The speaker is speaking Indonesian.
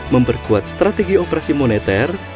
memperkuat strategi operasi moneter